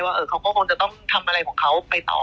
เขาก็คงจะต้องทำอะไรของเขาไปต่อ